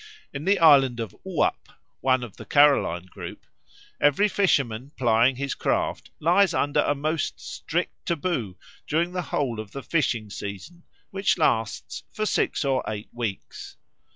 In the island of Uap, one of the Caroline group, every fisherman plying his craft lies under a most strict taboo during the whole of the fishing season, which lasts for six or eight weeks.